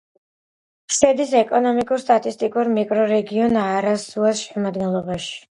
შედის ეკონომიკურ-სტატისტიკურ მიკრორეგიონ არასუაის შემადგენლობაში.